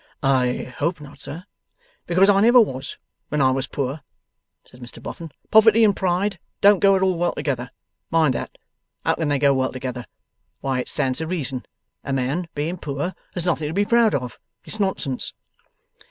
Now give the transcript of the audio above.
'I hope not, sir.' 'Because I never was, when I was poor,' said Mr Boffin. 'Poverty and pride don't go at all well together. Mind that. How can they go well together? Why it stands to reason. A man, being poor, has nothing to be proud of. It's nonsense.